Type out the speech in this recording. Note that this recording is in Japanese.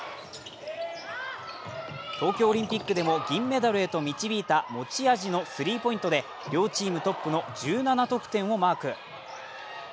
東京オリンピックでも銀メダルへと導いた持ち味のスリーポイントで両チームトップの１７得点をマーク。